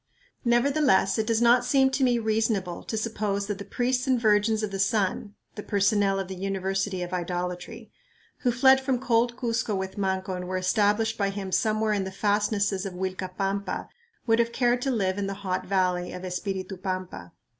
Nevertheless it does not seem to me reasonable to suppose that the priests and Virgins of the Sun (the personnel of the "University of Idolatry") who fled from cold Cuzco with Manco and were established by him somewhere in the fastnesses of Uilcapampa would have cared to live in the hot valley of Espiritu Pampa.